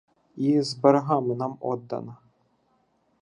І з берегами нам оддана.